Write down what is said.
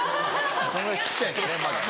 ・そんな小っちゃいんですね・